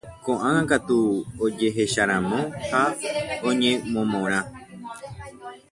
Ko'ág̃a katu ojehecharamo ha oñemomorã.